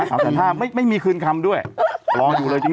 แสนห้าไม่มีคืนคำด้วยรออยู่เลยจริง